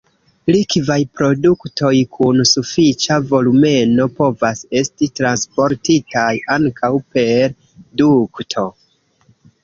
Likvaj produktoj kun sufiĉa volumeno povas esti transportitaj ankaŭ per dukto.